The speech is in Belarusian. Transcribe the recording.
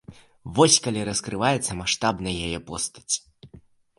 Вось калі раскрываецца маштабна яе постаць.